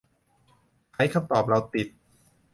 ไขคำตอบเราติด